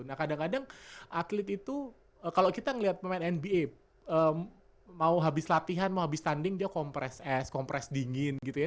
nah kadang kadang atlet itu kalau kita ngeliat pemain nba mau habis latihan mau habis tanding dia kompres es kompres dingin gitu ya